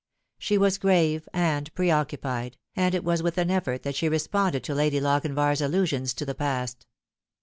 She was grave and preoccupied, and it was with an effort that she responded to Lady Lochinvar's allusions to the past.